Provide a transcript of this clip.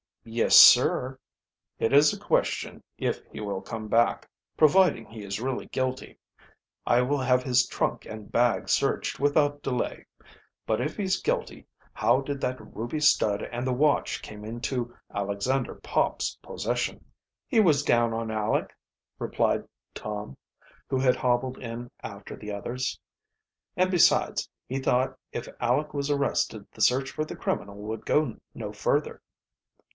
"Yes, sir." "It is a question if he will come back providing he is really guilty. I will have his trunk and bag searched without delay. But if he is guilty how did that ruby stud and the watch come into Alexander Pop's possession?" "He was down on Aleck," replied Tom, who had hobbled in after the others. "And, besides, he thought if Aleck was arrested the search for the criminal would go no further."